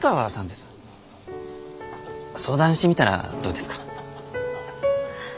相談してみたらどうですか？